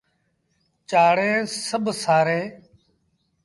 چآڙيٚن سڀ سآريٚݩ۔